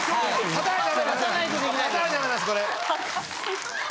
たたないとダメなんですこれ。